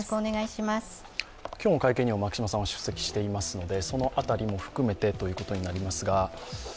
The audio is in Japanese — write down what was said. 今日の会見にも牧嶋さんは出席されておられますのでその辺りも含めてということになります。